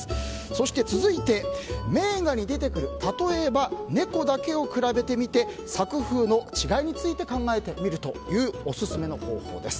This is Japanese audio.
そして、続いて名画に出てくる例えば、猫だけを比べてみて作風の違いについて考えてみるというオススメの方法です。